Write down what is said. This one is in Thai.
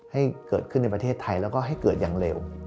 ให้เกิดขึ้นในประเทศไทยแล้วก็ให้เกิดอย่างเร็ว